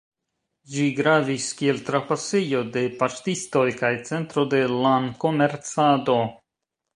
Ĝi gravis kiel trapasejo de paŝtistoj kaj centro de lankomercado.